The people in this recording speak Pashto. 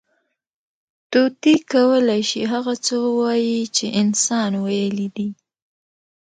طوطي کولی شي، هغه څه ووایي، چې انسان ویلي دي.